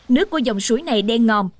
nước của dòng suối này đen ngòm